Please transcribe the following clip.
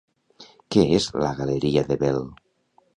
Què és la Galeria Debel?